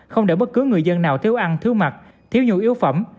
không để bất cứ người dân nào thiếu ăn thiếu mặt thiếu nhu yếu phẩm